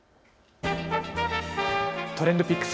ＴｒｅｎｄＰｉｃｋｓ。